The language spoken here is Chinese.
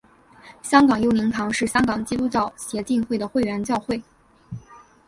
香港佑宁堂是香港基督教协进会的会员教会。